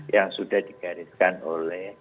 yang sudah digariskan oleh